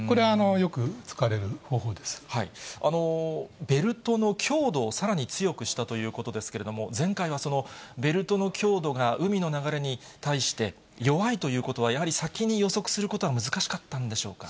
これ、ベルトの強度をさらに強くしたということですけれども、前回はベルトの強度が海の流れに対して弱いということは、やはり、先に予測することは難しかったんでしょうか？